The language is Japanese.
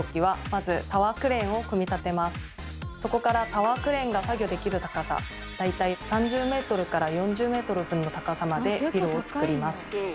そこからタワークレーンが作業できる高さ大体３０ｍから４０ｍ分の高さまでビルをつくります。